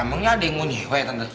emangnya ada yang mau nyewain ya tante